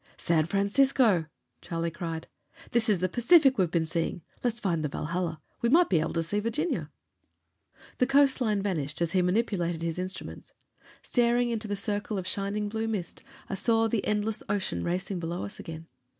"San Francisco!" Charlie cried. "This is the Pacific we've been seeing. Let's find the Valhalla. We might be able to see Virginia!" The coast line vanished as he manipulated his instruments. Staring into the circle of shining blue mist, I saw the endless ocean racing below us again.